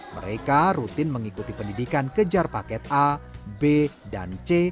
mereka rutin mengikuti pendidikan kejar paket a b dan c